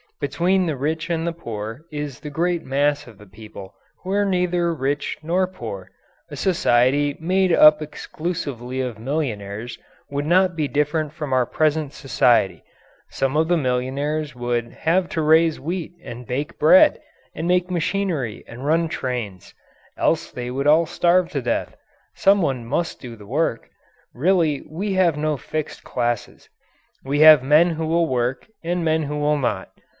Between the rich and the poor is the great mass of the people who are neither rich nor poor. A society made up exclusively of millionaires would not be different from our present society; some of the millionaires would have to raise wheat and bake bread and make machinery and run trains else they would all starve to death. Someone must do the work. Really we have no fixed classes. We have men who will work and men who will not.